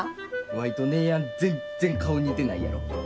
ワイと姉やん全然顔似てないやろ。